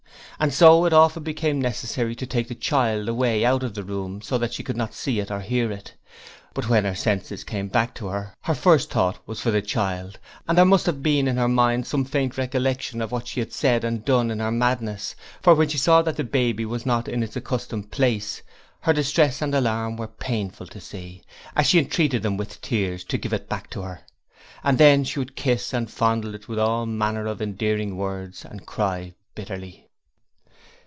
And so it often became necessary to take the child away out of the room, so that she could not see or hear it, but when her senses came back to her, her first thought was for the child, and there must have been in her mind some faint recollection of what she had said and done in her madness, for when she saw that the baby was not in its accustomed place her distress and alarm were painful to see, as she entreated them with tears to give it back to her. And then she would kiss and fondle it with all manner of endearing words, and cry bitterly.